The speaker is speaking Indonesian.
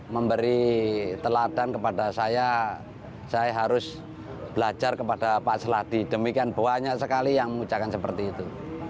memberi teladan kepada saya saya harus belajar kepada pak seladi demikian banyak sekali yang mengucapkan seperti itu